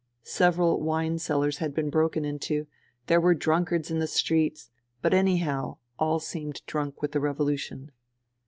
Several wine cellars had been broken into ; there were drunkards in the streets ; but anyhow, all seemed drunk with the revolution.